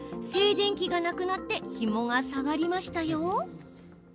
静電気がなくなってひもが下がりました。